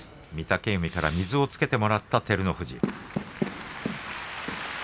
御嶽海から水をつけてもらった横綱照ノ富士。